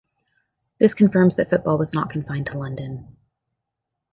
This confirms that football was not confined to London.